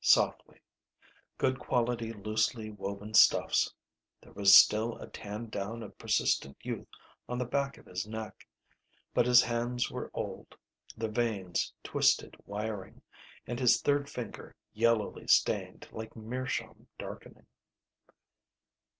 Softly. Good quality loosely woven stuffs. There was still a tan down of persistent youth on the back of his neck. But his hands were old, the veins twisted wiring, and his third finger yellowly stained, like meerschaum darkening.